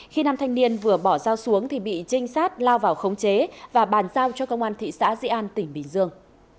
khi nam thanh niên vừa bỏ dao xuống thì bị trinh sát lao vào khống chế và bàn giao cho công an thị xã di an tỉnh bình dương